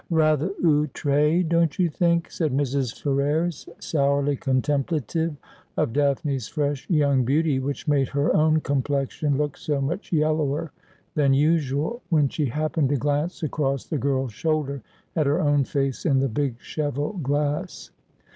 ' Rather owfre, don't you think ?' said Mrs. Ferrers, sourly contemplative of Daphne's fresh young beauty, which made her own complexion look so much yellower than usual, when she happened to glance across the girl's shoulder at her own face in the big cheval glass.